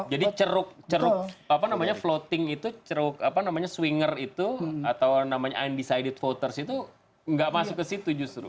jadi ceruk floating itu swinger itu undecided voters itu nggak masuk ke situ justru